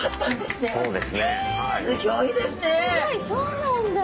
すごいそうなんだ。